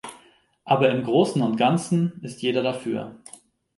Aber im großen und ganzen ist jeder dafür.